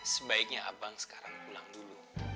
sebaiknya abang sekarang pulang dulu